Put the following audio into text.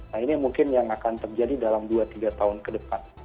nah ini mungkin yang akan terjadi dalam dua tiga tahun ke depan